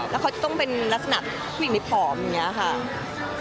แล้วเขาจะต้องเป็นลักษณะผู้หญิงในผอมอย่างนี้ค่ะ